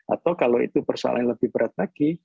atau kalau itu persoalan lebih berat lagi